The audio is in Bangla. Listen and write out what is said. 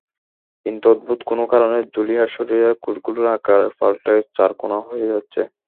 কিন্তু অদ্ভুত কোনো কারণে জুলিয়ার শরীরের কোষগুলোর আকার পাল্টে চারকোনা হয়ে যাচ্ছে।